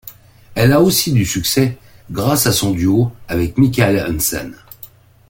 Elle a aussi du succès grâce à son duo avec Michael Hansen.